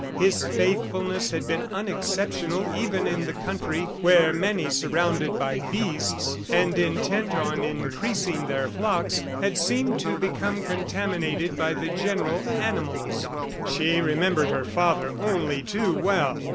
His faithfulness had been unexceptional even in the country where many, surrounded by beasts, and intent on increasing their flocks, had seemed to become contaminated by the general animalism. She remembered her father only too well!